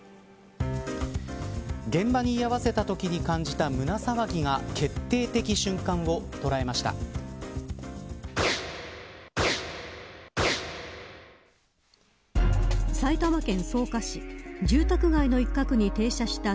現場に居合わせたときに感じた胸騒ぎが決定的瞬間を捉えました。